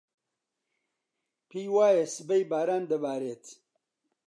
پێی وایە سبەی باران دەبارێت.